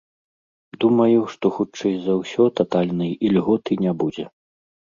Думаю, што хутчэй за ўсё татальнай ільготы не будзе.